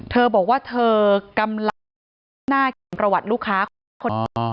เธอบอกว่าเธอกำลังเขียนประวัติรูปค้าและที่เคาน์เตอร์ยังเจ็บอยู่